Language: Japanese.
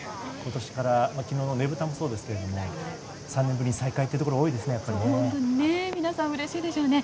昨日のねぶたもそうですが３年ぶりに再開というところが多いですね。